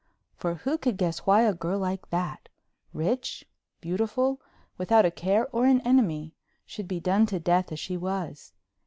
For who could guess why a girl like that, rich, beautiful, without a care or an enemy, should be done to death as she was.